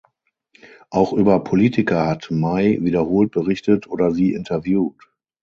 Auch über Politiker hat May wiederholt berichtet oder sie interviewt.